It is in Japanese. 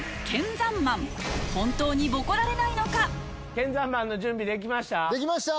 剣山マンの準備できました？